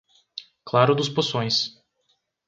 Claro dos Poções